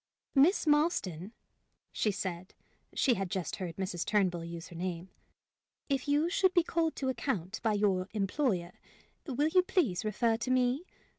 "Miss Marston," she said she had just heard Mrs. Turnbull use her name "if you should be called to account by your employer, will you, please, refer to me?